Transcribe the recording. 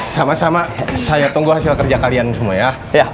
sama sama saya tunggu hasil kerja kalian semua ya